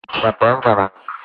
De peu de banc.